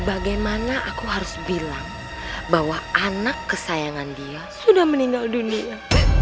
bagaimana aku harus bilang bahwa anak kesayangan dia sudah meninggal dunia